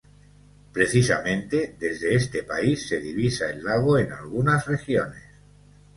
Precisamente, desde este país se divisa el lago en algunas regiones.